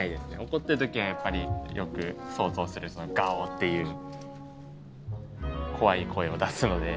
怒ってる時はやっぱりよく想像するガオッていう怖い声を出すので。